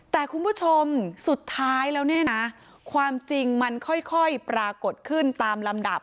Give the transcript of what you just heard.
แต่คุณผู้ชมสุดท้ายแล้วเนี่ยนะความจริงมันค่อยปรากฏขึ้นตามลำดับ